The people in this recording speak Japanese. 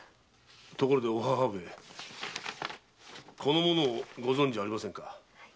ところでお母上この者をご存じありませんか？